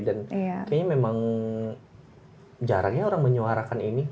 dan kayaknya memang jarangnya orang menyuarakan ini